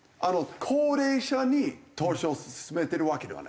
高齢者に投資を勧めてるわけではないです。